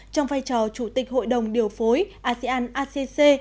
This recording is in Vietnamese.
trong vai trò chủ tịch hội đồng điều phối asean acc